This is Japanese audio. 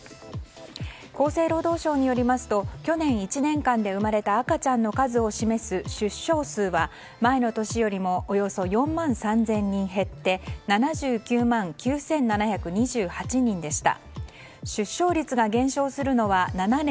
厚生労働省によりますと去年１年間で生まれた赤ちゃんの数を示す出生数は前の年よりもおよそ４万３０００人減って７９万９７２８人でした。